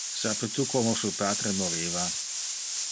Sape tu como su patre moriva?